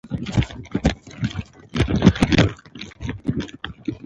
د دې هیله مه لره مشکلات مو کم وي پوه شوې!.